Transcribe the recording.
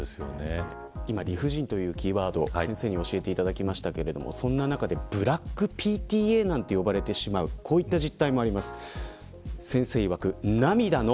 今理不尽というキーワード先生に教えていただきましたけどその中でブラックＰＴＡと呼ばれてしまう事態もあります。